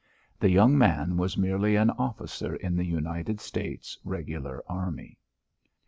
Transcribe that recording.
The young man was merely an officer in the United States regular army.